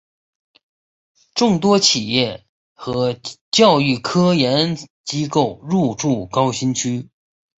众多企业和教育科研机构入驻高新区。